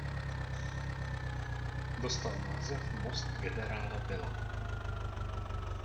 Dostal název Most generála Vila.